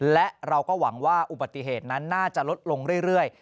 และเราก็หวังว่าอุบัติเหตุนั้นน่าจะลดลงเรื่อย